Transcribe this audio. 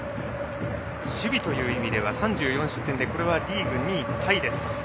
守備という意味では３４失点でリーグ２位タイです。